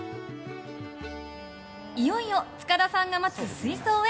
いよいよ塚田さんが待つ水槽へ。